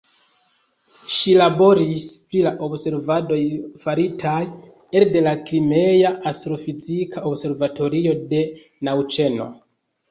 Ŝi laboris pri la observadoj faritaj elde la Krimea astrofizika observatorio de Nauĉno.